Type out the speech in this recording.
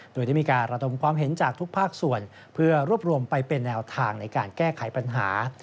โดยได้มีการระดมความเห็นจากทุกภาคส่วนเพื่อรวบรวมไปเป็นแนวทางในการแก้ไขปัญหา